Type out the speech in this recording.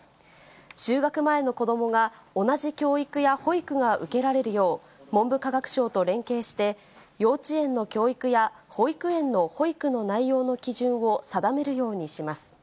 就学前の子どもが同じ教育や保育が受けられるよう、文部科学省と連携して、幼稚園の教育や保育園の保育の内容の基準を定めるようにします。